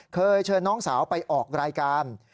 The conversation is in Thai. เคยเชิญน้องสาวไปออกรายการ